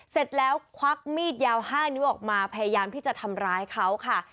เสร็จแล้วควักมีดยาว๕นิ้วออกมาพยายามที่จะทำร้ายเขาค่ะ